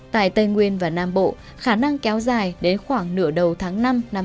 tại tây nguyên và nam bộ khả năng kéo dài đến khoảng nửa đầu tháng năm năm hai nghìn hai mươi bốn